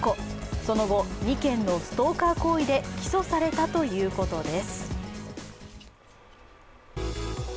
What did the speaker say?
その後、２件のストーカー行為で起訴されたということです。